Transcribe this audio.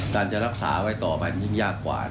การจะรักษาไว้ต่อไปมันยิ่งยากกว่า